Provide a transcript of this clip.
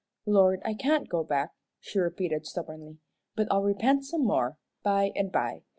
"Lord, I can't go back," she repeated, stubbornly, "but I'll repent some more, by and by.